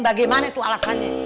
bagaimana tuh alasannya